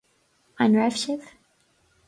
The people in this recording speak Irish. An raibh sibh